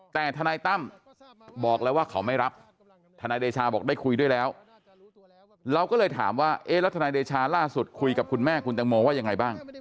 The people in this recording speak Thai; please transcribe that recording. แต่ทนายตั้มบอกแล้วว่าเขาไม่รับทนายเดชาบอกได้คุยด้วยแล้วเราก็เลยถามว่าเอ๊ะแล้วทนายเดชาล่าสุดคุยกับคุณแม่คุณตังโมว่ายังไงบ้าง